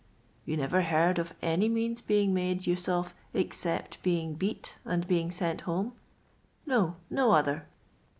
" You never heard of any means being made use of, except being beat and being sent homel — No; no other.